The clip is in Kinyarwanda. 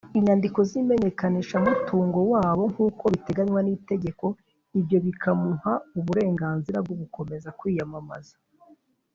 inyandiko z’imenyenkanishamutungo wabo nk’uko biteganywa n’itegeko ibyo bikamuha uburenganzira bwo gukomeza kwiyamamaza.